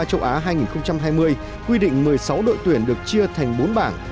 trong kết u hai mươi ba châu á hai nghìn hai mươi quy định một mươi sáu đội tuyển được chia thành bốn bảng